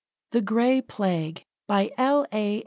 The Gray Plague _By L. A.